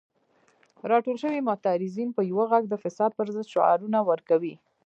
راټول شوي معترضین په یو غږ د فساد پر ضد شعارونه ورکوي.